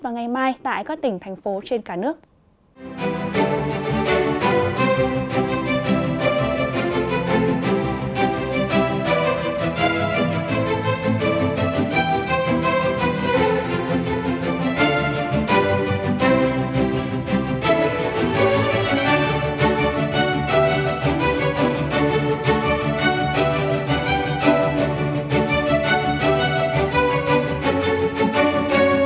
vào ngày mai tại các tỉnh thành phố trên cả nước